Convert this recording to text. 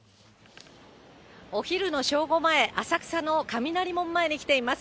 お昼の正午前、浅草の雷門前に来ています。